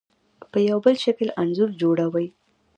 په یو بل شکل انځور جوړوي.